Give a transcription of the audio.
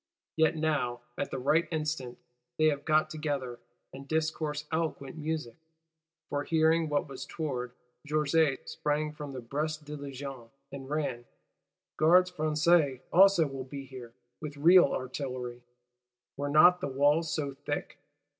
Yet now, at the right instant, they have got together, and discourse eloquent music. For, hearing what was toward, Georget sprang from the Brest Diligence, and ran. Gardes Françaises also will be here, with real artillery: were not the walls so thick!